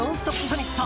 サミット。